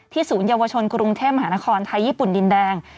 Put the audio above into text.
ศูนยวชนกรุงเทพมหานครไทยญี่ปุ่นดินแดง